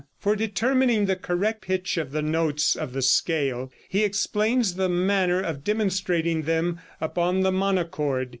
For determining the correct pitch of the notes of the scale he explains the manner of demonstrating them upon the monochord.